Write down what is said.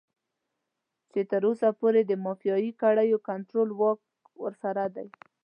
چې تر اوسه پورې د مافيايي کړيو کنټرول واک ورسره دی.